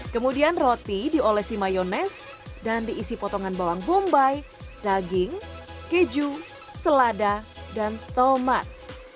kemudian roti diolesi mayonese dan diisi potongan bawang bombay daging keju selada dan tomat